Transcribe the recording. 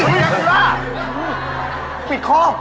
เห้ยหนูยากุร่า